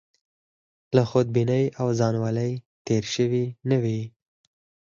له خودبینۍ او ځانولۍ تېر شوي نه وي.